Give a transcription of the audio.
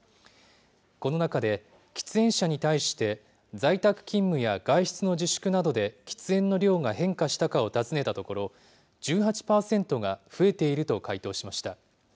この中で、喫煙者に対して在宅勤務や外出の自粛などで喫煙の量が変化したかを尋ねたところ、１８％が増えていると回答しました。